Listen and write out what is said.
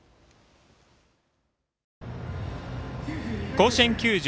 甲子園球場